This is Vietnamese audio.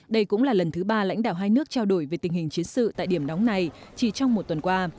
đây cũng là lần thứ ba lãnh đạo hai nước trao đổi về tình hình chiến sự tại điểm nóng này chỉ trong một tuần qua